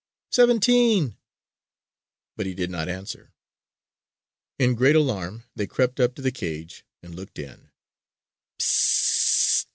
Seventeen!" But he did not answer. In great alarm they crept up to the cage and looked in.